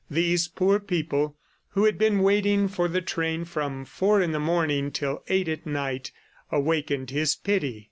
These poor people who had been waiting for the train from four in the morning till eight at night, awakened his pity.